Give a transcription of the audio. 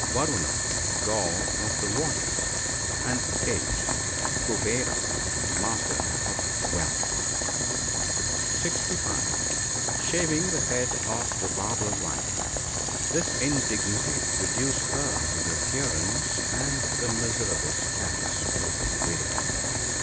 Varuna, God of the waters ; and 8. Kuvera, the master of wealth. (65.) Shaving the head of the barber's wife. — This indignity reduced her to the appearance and the miserable status of a widow.